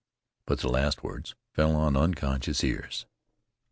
But the last words fell on unconscious ears.